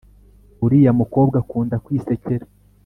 Uriya mukobwa akunda kwisekera